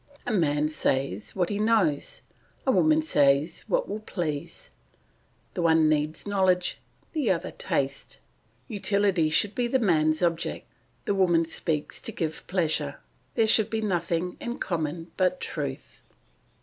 A man says what he knows, a woman says what will please; the one needs knowledge, the other taste; utility should be the man's object; the woman speaks to give pleasure. There should be nothing in common but truth.